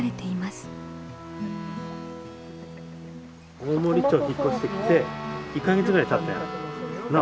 大森町引っ越してきて１か月ぐらいたったよ。なあ？